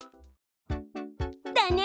だね！